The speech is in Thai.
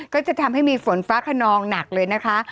ก็จะทำให้มีฝนฟ้าขนองหนักเลยนะคะ